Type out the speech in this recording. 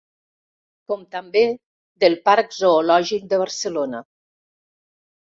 Com també del Parc Zoològic de Barcelona.